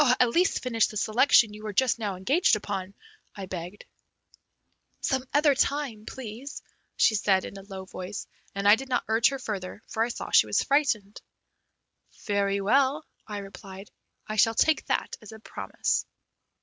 "At least finish the selection you were just now engaged upon," I begged. "Some other time, please," she said in a low voice; and I did not urge her further, for I saw she was frightened. "Very well," I replied, "I shall take that as a promise."